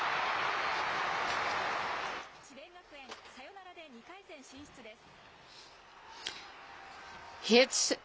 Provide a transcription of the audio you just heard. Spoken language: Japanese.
智弁学園、サヨナラで２回戦進出です。